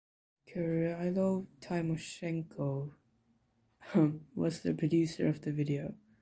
Kyrylo Tymoshenko was the producer of the video.